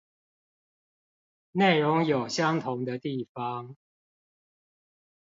內容有相同的地方